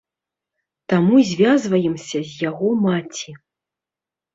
Таму звязваемся з яго маці.